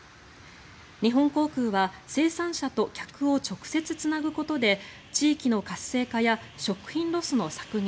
日本航空は生産者と客を直接つなぐことで地域の活性化や食品ロスの削減